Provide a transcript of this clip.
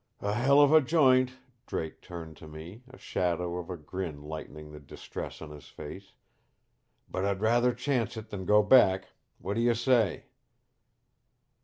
"A hell of a joint!" Drake turned to me, a shadow of a grin lightening the distress on his face. "But I'd rather chance it than go back. What d'you say?"